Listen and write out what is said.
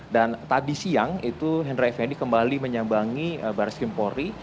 dan tadi siang itu henry fnd kembali menyambangi baris kempori